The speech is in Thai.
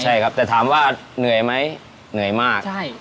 ใช่ครับแต่ถามว่าเหนื่อยไหมเหนื่อยมาก